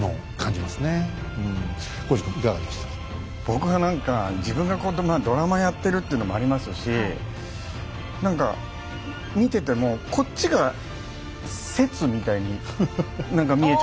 僕は何か自分がこうドラマやってるっていうのもありますし何か見ててもこっちが説みたいに見えちゃったりします。